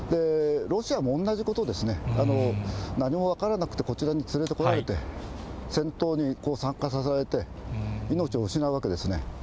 ロシアも同じことですね、何も分からなくて、こちらに連れてこられて、戦闘に参加させられて、命を失うわけですね。